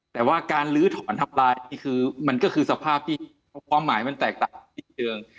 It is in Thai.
แต่ว่าการลื้อถอนทำลายนี่คือมันก็คือสภาพที่ความหมายมันแตกต่างอีกเรื่อง